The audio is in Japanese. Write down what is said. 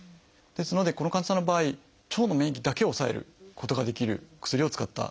ですのでこの患者さんの場合腸の免疫だけを抑えることができる薬を使ったことになります。